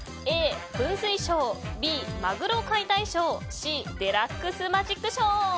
Ａ、噴水ショーＢ、マグロ解体ショーＣ、デラックスマジックショー。